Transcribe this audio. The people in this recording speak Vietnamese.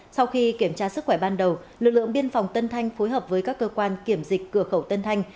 sau khi kiểm tra sức khỏe ban đầu lực lượng biên phòng tân thanh phối hợp với các cơ quan kiểm dịch cửa khẩu tân thanh